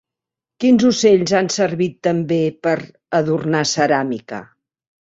Quins ocells han servit també per adornar ceràmica?